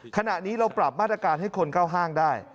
ขณะนี้เราปรับมาตรการให้คนเข้าห้างได้